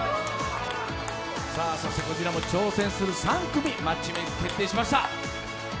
こちらも挑戦する３組、マッチメーク決定しました。